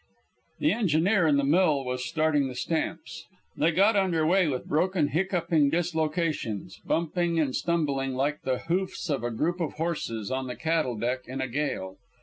The engineer in the mill was starting the stamps. They got under way with broken, hiccoughing dislocations, bumping and stumbling like the hoofs of a group of horses on the cattle deck in a gale.